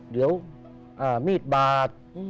เดี๋ยวมีดบาด